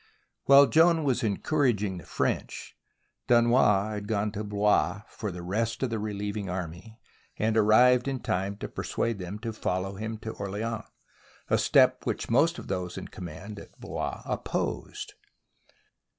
While Joan was encouraging the French, Du nois had gone to Blois for the rest of the relieving army, and arrived in time to persuade them to fol low him to Orleans — a step which most of those in command at Blois opposed.